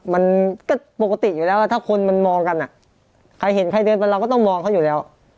มันก็ปกติอยู่แล้วถ้าคนมันมองกันอ่ะใครเห็นใครเดินไปเราก็ต้องมองเขาอยู่แล้ว